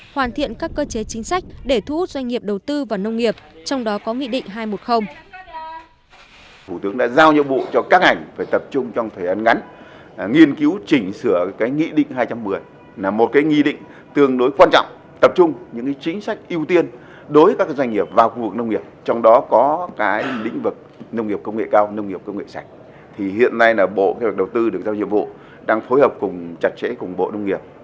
hoàn thiện các cơ chế chính sách để thu hút doanh nghiệp đầu tư vào nông nghiệp